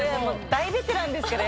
大ベテランですから。